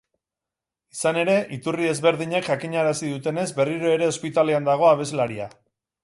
Izan ere, iturri ezberdinek jakinarazi dutenez, berriro ere ospitalean dago abeslaria.